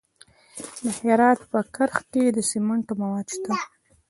د هرات په کرخ کې د سمنټو مواد شته.